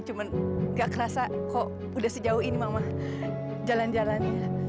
cuma gak kerasa kok udah sejauh ini mama jalan jalannya